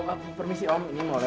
kasar sama gue aja